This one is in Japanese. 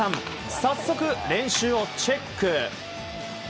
早速、練習をチェック。